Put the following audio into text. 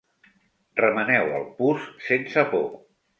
Remeneu el pus sense por.